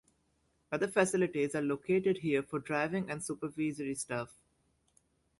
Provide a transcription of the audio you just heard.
Other facilities are located here for driving and supervisory staff.